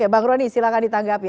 bumn ini silahkan ditanggapi